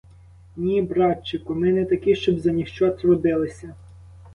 Ні, братчику, ми не такі, щоб за нізащо трудилися!